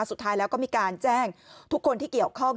สุดท้ายแล้วก็มีการแจ้งทุกคนที่เกี่ยวข้อง